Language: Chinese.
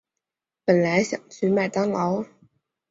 本来想去麦当劳